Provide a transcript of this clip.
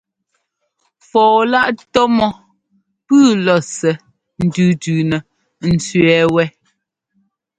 Fɔɔ-láꞌ tɔ́ mɔ́ pʉ́ʉ lɔ̌ɔsɛ́ ńtʉ́tʉ́nɛ ńtẅɛ́ɛ wɛ́.